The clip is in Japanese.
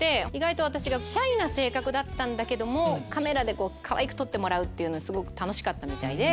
私がシャイな性格だったんだけどもカメラでかわいく撮ってもらうのすごく楽しかったみたいで。